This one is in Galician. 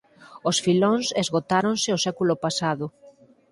Os filóns esgotáronse o século pasado.